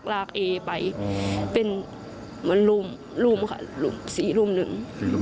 ลากเอไปเป็นรุ่มสีรุ่มนึง